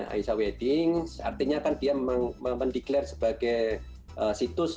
aisha weddings artinya kan dia mendeklarasi sebagai situs